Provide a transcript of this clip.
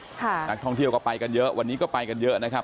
นักท่องเที่ยวก็ไปกันเยอะวันนี้ก็ไปกันเยอะนะครับ